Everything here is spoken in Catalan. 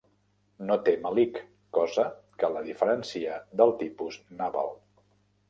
No té melic, cosa que la diferencia del tipus nàvel.